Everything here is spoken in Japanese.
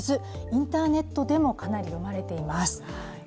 インターネットでもかなり読まれています。